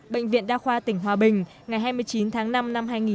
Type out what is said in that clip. bệnh viện đa khoa tỉnh hòa bình ngày hai mươi chín tháng năm năm hai nghìn một mươi chín